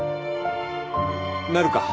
なるか。